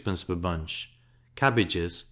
per bunch; cabbages 3d.